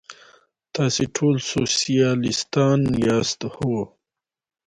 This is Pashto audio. تاسې ټول سوسیالیستان یاست؟ هو.